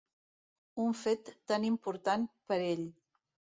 Un fet tan important per ell